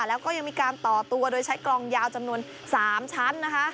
แล้วก็ยังมีการต่อตัวโดยใช้กลองยาวจำนวน๓ชั้นนะคะ